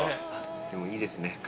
でもいいですね